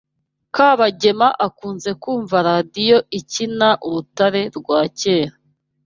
Kabagema akunze kumva radio ikina urutare rwa kera.